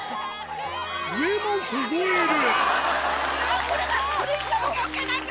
上も凍える。